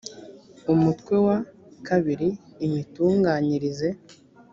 umutwe wa ii: imitunganyirize